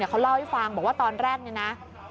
เขาเล่าให้ฟังบอกว่าตอนแรกเนี่ยนะ